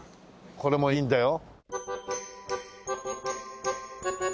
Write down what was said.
これもいいんだよ。